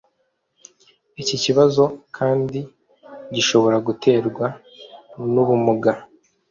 Iki kibazo kandi gishobora guterwa n'ubumuga